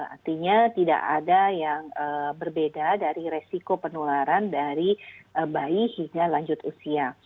artinya tidak ada yang berbeda dari resiko penularan dari bayi hingga lanjut usia